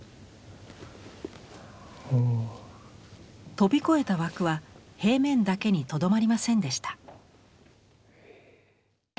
飛び越えた枠は平面だけにとどまりませんでした。